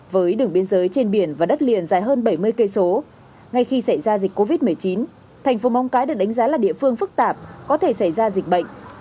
với đường biên giới trên biển và đất liền dài hơn bảy mươi km ngay khi xảy ra dịch covid một mươi chín thành phố móng cái được đánh giá là địa phương phức tạp có thể xảy ra dịch bệnh